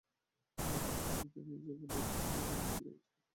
সেখানে তিনি নিজের অভিনীত সিনেমার জনপ্রিয় কিছু গানের কয়েক লাইন গেয়ে শোনান।